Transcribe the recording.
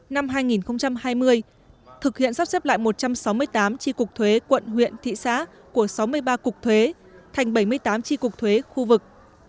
năm hai nghìn hai mươi thực hiện sắp xếp lại một trăm sáu mươi tám tri cục thuế quận huyện thị xã của sáu mươi ba cục thuế thành bảy mươi tám tri cục thuế khu vực